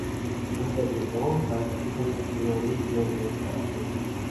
Nach der Saison trat er international nicht mehr in Erscheinung.